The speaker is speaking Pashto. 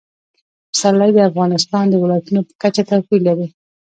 پسرلی د افغانستان د ولایاتو په کچه توپیر لري.